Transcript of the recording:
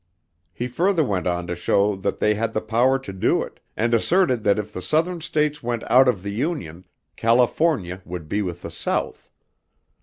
He further went on to show that they had the power to do it, and asserted that if the southern states went out of the Union, "California would be with the South."